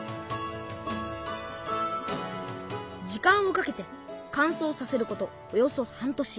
時間をかけてかんそうさせることおよそ半年。